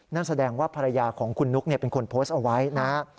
นั่นแสดงว่าภรรยาของคุณนุ๊กเป็นคนโพสต์เอาไว้นะฮะ